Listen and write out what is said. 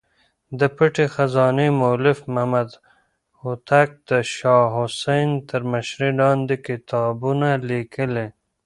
د پټې خزانې مولف محمد هوتک د شاه حسين تر مشرۍ لاندې کتابونه ليکلي.